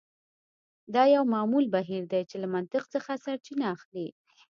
دا یو معمول بهیر دی چې له منطق څخه سرچینه اخلي